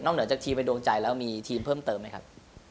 เหนือจากทีมเป็นดวงใจแล้วมีทีมเพิ่มเติมไหมครับ